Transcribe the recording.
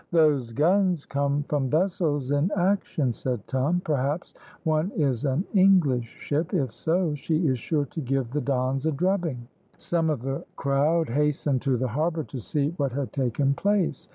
"Those guns come from vessels in action," said Tom; "perhaps one is an English ship; if so she is sure to give the Dons a drubbing." Some of the crowd hastened to the harbour to see what had taken place.